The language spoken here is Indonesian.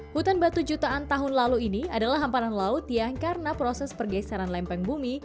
hutan batu jutaan tahun lalu ini adalah hamparan laut yang karena proses pergeseran lempeng bumi